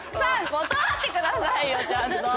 断ってくださいよちゃんと！